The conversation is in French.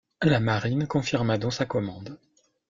La Marine confirma donc sa commande.